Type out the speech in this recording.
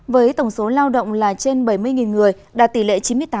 với tổng số lao động là trên bảy mươi người đạt tỷ lệ chín mươi tám